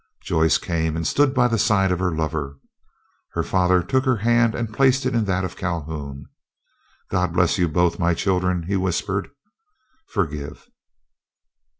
Joyce came and stood by the side of her lover. Her father took her hand and placed it in that of Calhoun. "God bless you both, my children," he whispered. "Forgive!"